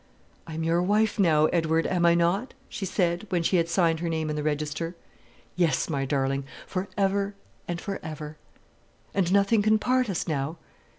"I am your wife now, Edward, am I not?" she said, when she had signed her name in the register. "Yes, my darling, for ever and for ever." "And nothing can part us now?"